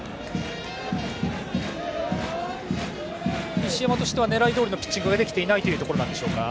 石山としては狙いどおりのピッチングができていないというところでしょうか？